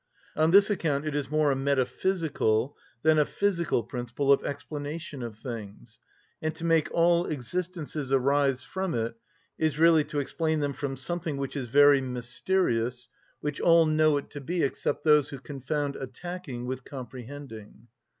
On this account it is more a metaphysical than a physical principle of explanation of things, and to make all existences arise from it is really to explain them from something which is very mysterious; which all know it to be except those who confound attacking with comprehending.